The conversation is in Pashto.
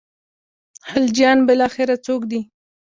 خلجیان بالاخره څوک دي.